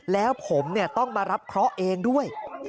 แล้วผมต้องมารับเคราะห์เองด้วย